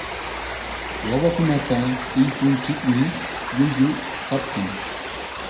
Wawakunata illpunchikmi llullu kaptin.